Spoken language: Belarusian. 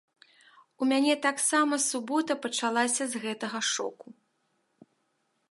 У мяне таксама субота пачалася з гэтага шоку.